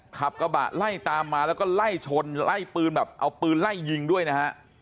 ขับกระบะไล่ตามมาแล้วก็ไล่ชนไล่ปืนแบบเอาปืนไล่ยิงด้วยนะฮะ